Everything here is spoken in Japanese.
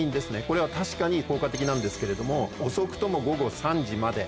これは確かに効果的なんですけれども遅くとも午後３時まで。